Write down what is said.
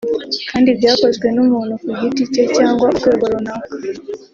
kandi byakozwe n’umuntu ku giti cye cyangwa urwego runaka